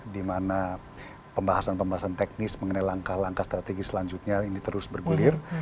di mana pembahasan pembahasan teknis mengenai langkah langkah strategi selanjutnya ini terus bergulir